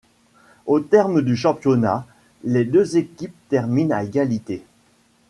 Au terme du championnat, les deux équipes terminent à égalité.